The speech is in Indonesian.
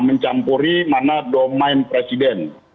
mencampuri mana domain presiden